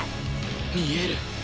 見える！